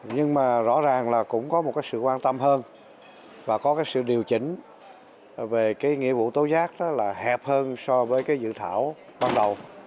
nhưng mà rõ ràng là cũng có một cái sự quan tâm hơn và có cái sự điều chỉnh về cái nghĩa vụ tố giác đó là hẹp hơn so với cái dự thảo ban đầu